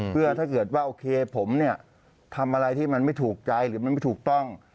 เพื่อถ้าเกิดว่าผมทำอะไรที่มันไม่ถูกใจหรือไม่ถูกต้อง